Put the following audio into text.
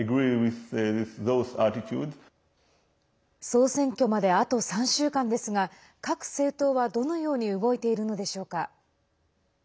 総選挙まで、あと３週間ですが各政党はどのように動いているのでしょうか。